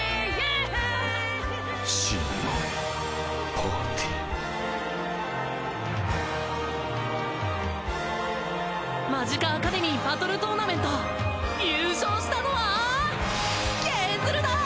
真のパーティマジカアカデミーバトルトーナメント優勝したのはケズルだー！